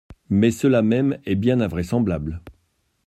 Mais cela même est bien invraisemblable.